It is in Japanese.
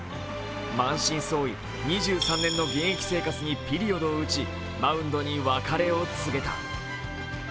満身創痍、２３年の現役生活にピリオドを打ち、マウンドに別れを告げた。